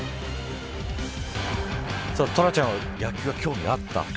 トラちゃんは野球、興味あった。